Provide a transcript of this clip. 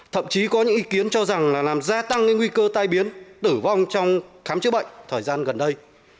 thậm chí có những ý kiến cho rằng là làm gia tăng nguy cơ tai biến tử vong trong khám chữa bệnh thời gian gần đây